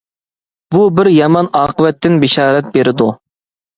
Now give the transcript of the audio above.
بۇ بىر يامان ئاقىۋەتتىن بېشارەت بېرىدۇ.